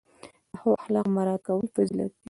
د ښو اخلاقو مراعت کول فضیلت دی.